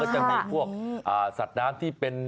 จะมีพวกสัตว์น้ำที่เป็น